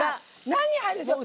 何入るでしょう？